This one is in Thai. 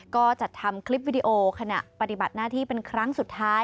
ก็จัดทำคลิปวิดีโอขณะปฏิบัติหน้าที่เป็นครั้งสุดท้าย